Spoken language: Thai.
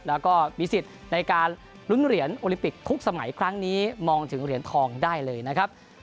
แล้วก็มีสิทธิ์ในการลุ้นเหรียญโอลิปิกทุกสมัยครั้งนี้มองถึงเหรียญทองได้เลยนะครับ